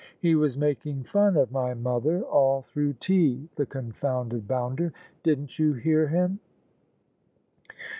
" He was making fun of my mother all through tea, the confounded bounder! Didn't you hear him?